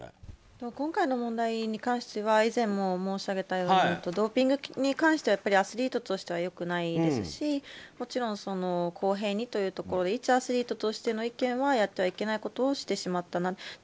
今回の問題に関しては以前も申し上げたようにドーピングに関してはアスリートとしては良くないですしもちろん公平にということでいちアスリートとしての意見はやってはいけないことをしてしまったなと。